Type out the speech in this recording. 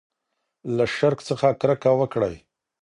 له شرک څخه کرکه وکړئ.